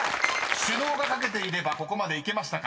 ［「首脳」が書けていればここまでいけましたか？］